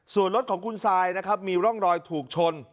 ส่วนรถของคุณซายนะครับมีร่องรอยถูกชน